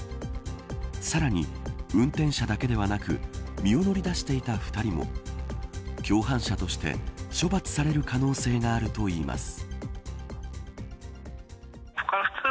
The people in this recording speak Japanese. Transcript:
さらに、運転者だけではなく身を乗り出していた２人も共犯者として処罰される可能性があるといいます。